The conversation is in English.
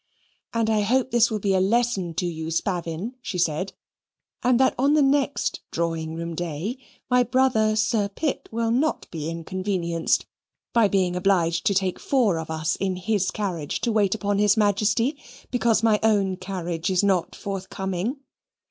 "And I hope this will be a lesson to you, Spavin," she said, "and that on the next drawing room day my brother, Sir Pitt, will not be inconvenienced by being obliged to take four of us in his carriage to wait upon His Majesty, because my own carriage is not forthcoming."